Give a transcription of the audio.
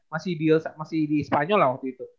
masih deal masih di spanyol lah waktu itu